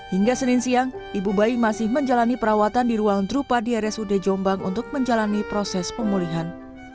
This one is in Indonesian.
hingga senin siang ibu bayi masih menjalani perawatan di ruang drupa di rsud jombang untuk menjalani proses pemulihan